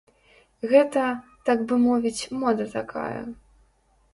Гэта, так бы мовіць, мода такая.